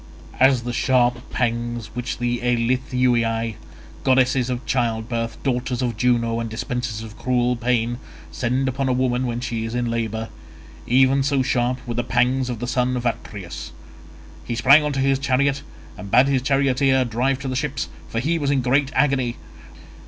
As the sharp pangs which the Eilithuiae, goddesses of childbirth, daughters of Juno and dispensers of cruel pain, send upon a woman when she is in labour—even so sharp were the pangs of the son of Atreus. He sprang on to his chariot, and bade his charioteer drive to the ships, for he was in great agony.